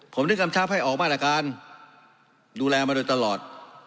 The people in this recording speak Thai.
ผมดึงคำชัพให้ออกบ้านอาการดูแลมาโดยตลอด